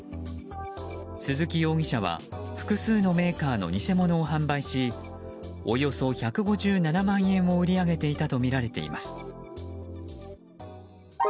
鈴木容疑者は複数のメーカーの偽物を販売しおよそ１５７万円を売り上げていたとみられています。